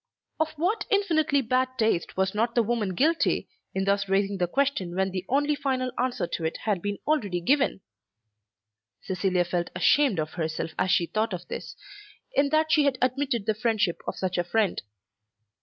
Of what infinitely bad taste was not the woman guilty, in thus raising the question when the only final answer to it had been already given? Cecilia felt ashamed of herself as she thought of this, in that she had admitted the friendship of such a friend.